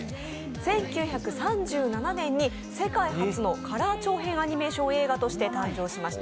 １９３７年に世界初のカラー長編アニメーション映画として誕生しました。